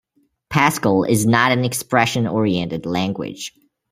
Pascal is not an expression-oriented language.